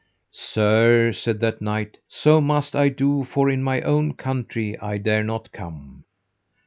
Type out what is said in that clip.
Sir, said that knight, so must I do, for in my own country I dare not come.